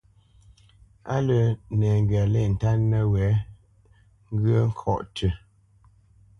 Á lə́ nɛŋgywa lê ntánə́ nəwɛ̌ ŋgyə̂ ŋkɔ̌ tʉ́.